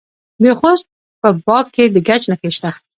د خوست په باک کې د ګچ نښې شته.